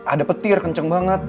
ada petir kenceng banget